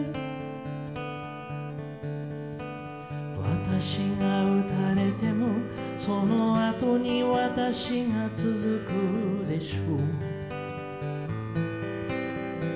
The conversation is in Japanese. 「私が撃たれてもその後にわたしが続くでしょう」